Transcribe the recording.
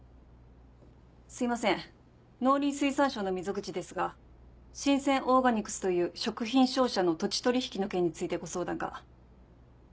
すいません農林水産省の溝口ですが神饌オーガニクスという食品商社の土地取引の件についてご相談が。